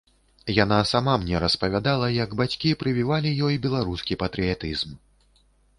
Яна сама мне распавядала, як бацькі прывівалі ёй беларускі патрыятызм.